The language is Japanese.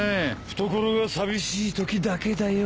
懐が寂しいときだけだよ。